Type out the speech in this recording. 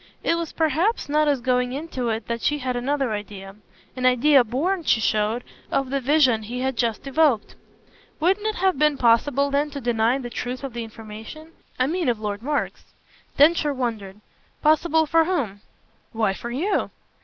It was perhaps not as going into it that she had another idea an idea born, she showed, of the vision he had just evoked. "Wouldn't it have been possible then to deny the truth of the information? I mean of Lord Mark's." Densher wondered. "Possible for whom?" "Why for you."